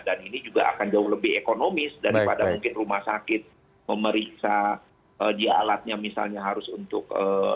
dan ini juga akan jauh lebih ekonomis daripada mungkin rumah sakit memeriksa dia alatnya misalnya harus untuk enam puluh